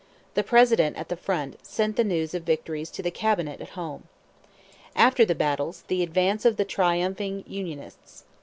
The President, at the front, sent the news of victories to the Cabinet at home. After the battles, the advance of the triumphing Unionists.